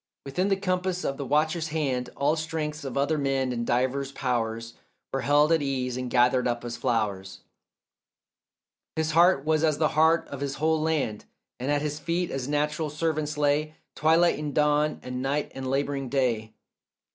Within the compass of the watcher's hand All strengths of other men and divers powers Were held at ease and gathered up as flowers; His heart was as the heart of his whole land, And at his feet as natural servants lay Twilight and dawn and night and labouring day.